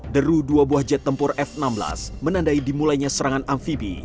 deru dua buah jet tempur f enam belas menandai dimulainya serangan amfibi